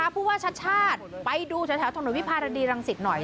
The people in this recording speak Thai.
ผู้ว่าชาติชาติไปดูแถวถนนวิภารดีรังสิตหน่อย